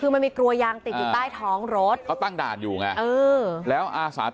มีกล้วยติดอยู่ใต้ท้องเดี๋ยวพี่ขอบคุณ